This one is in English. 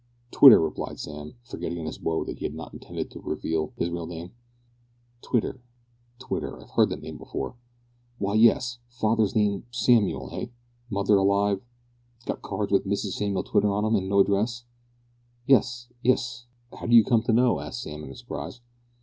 "Twitter," replied Sam, forgetting in his woe that he had not intended to reveal his real name. "Twitter Twitter. I've heard that name before. Why, yes. Father's name Samuel eh? Mother alive got cards with Mrs Samuel Twitter on 'em, an' no address?" "Yes yes. How do you come to know?" asked Sam in surprise.